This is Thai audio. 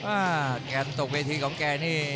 แกนตกเวทีของแกนี่